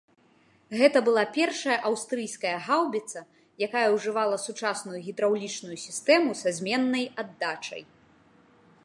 Гэта была першая аўстрыйская гаўбіца, якая ужывала сучасную гідраўлічную сістэму са зменнай аддачай.